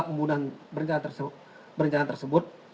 pembunuhan berencana tersebut